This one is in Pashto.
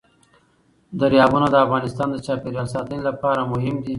دریابونه د افغانستان د چاپیریال ساتنې لپاره مهم دي.